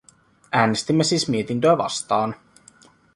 Äänestimme siis mietintöä vastaan.